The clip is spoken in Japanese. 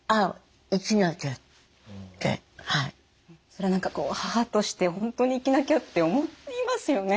それは何か母として本当に生きなきゃって思いますよね。